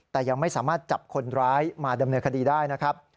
แต่ยังไม่สามารถจับคนร้ายมาดำเนินคดีได้นะครับ